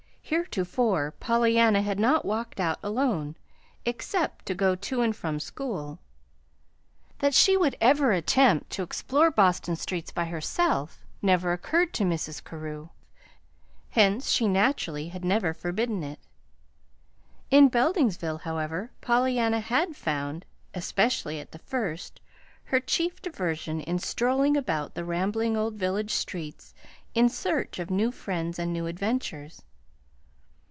Heretofore Pollyanna had not walked out alone, except to go to and from school. That she would ever attempt to explore Boston streets by herself, never occurred to Mrs. Carew, hence she naturally had never forbidden it. In Beldingsville, however, Pollyanna had found especially at the first her chief diversion in strolling about the rambling old village streets in search of new friends and new adventures.